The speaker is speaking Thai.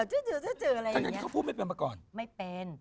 เจอทำอย่างนี้เขาพูดไม่เป็นป่าวก่อน